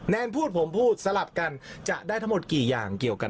พูดผมพูดสลับกันจะได้ทั้งหมดกี่อย่างเกี่ยวกัน